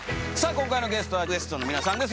今回のゲストはＷＥＳＴ．の皆さんです。